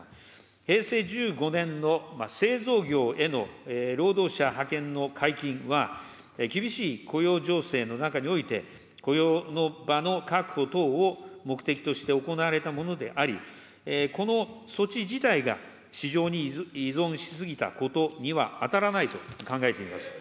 平成１５年の製造業への労働者派遣の解禁は、厳しい雇用情勢の中において、雇用の場の確保等を目的として行われたものであり、この措置自体が市場に依存し過ぎたことには当たらないと考えています。